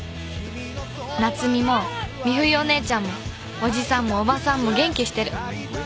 夏美も美冬お姉ちゃんもおじさんもおばさんも元気してる。